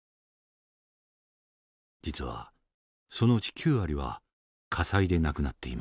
実はそのうち９割は火災で亡くなっています。